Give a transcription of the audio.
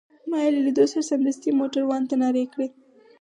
ما يې له لیدو سره سمدستي موټروان ته نارې کړې.